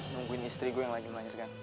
nungguin istri gua yang lagi melanjutkan